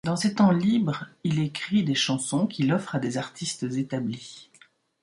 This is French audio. Dans ses temps libres il écrit des chansons qu'il offre à des artistes établis.